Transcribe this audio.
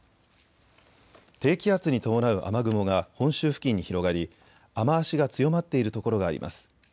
低気圧に伴う雨雲が本州付近に広がり、雨足が強まっている所があります。